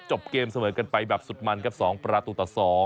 จบเกมเสมอกันไปแบบสุดมันครับ๒ประตูต่อ๒